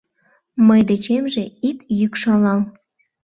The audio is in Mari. Мый дечемже ит йӱкшалал.